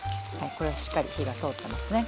これはしっかり火が通ってますね。